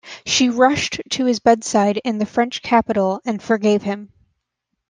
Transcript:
She rushed to his bedside in the French capital and forgave him.